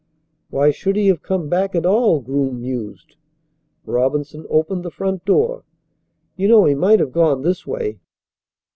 "Why should he have come back at all?" Groom mused. Robinson opened the front door. "You know he might have gone this way."